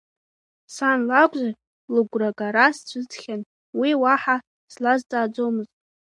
Сан лакәзар, лыгәрагара сцәыӡхьан уи уаҳа слазҵааӡомызт…